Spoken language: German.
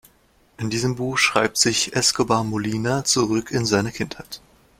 In diesem Buch schreibt sich Escobar-Molina zurück in seine Kindheit.